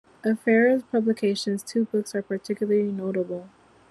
Of Ferrier's publications, two books are particularly notable.